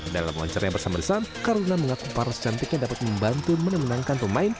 dalam wawancaranya bersama sama karolina mengaku paras cantiknya dapat membantu menenangkan pemain